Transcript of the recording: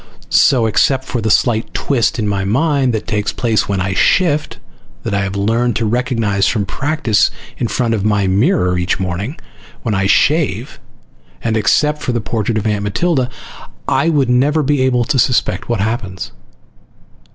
So, except for the slight twist in my mind that takes place when I shift, that I have learned to recognize from practice in front of my "mirror" each morning when I shave, and except for the portrait of Aunt Matilda, I would never be able to suspect what happens.